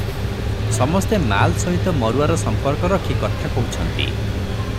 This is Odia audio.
ସମସ୍ତେ ମାଲ ସହିତ ମରୁଆର ସମ୍ପର୍କ ରଖି କଥା କହୁଛନ୍ତି ।